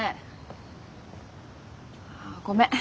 あごめん。